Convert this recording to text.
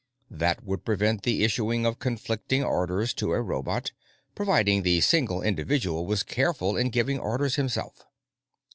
That would prevent the issuing of conflicting orders to a robot, provided the single individual were careful in giving orders himself.